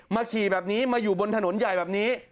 ขี่แบบนี้มาอยู่บนถนนใหญ่แบบนี้